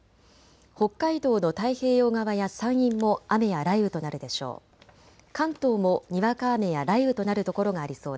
北海道の太平洋側や山陰も雨や雷雨となるでしょう。